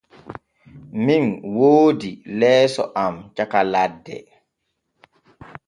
Min woodi leeso am caka ladde.